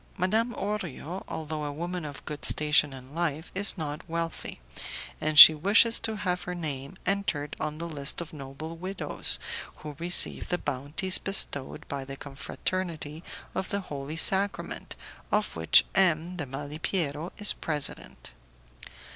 Madame Orio, although a woman of good station in life, is not wealthy, and she wishes to have her name entered on the list of noble widows who receive the bounties bestowed by the Confraternity of the Holy Sacrament, of which M. de Malipiero is president.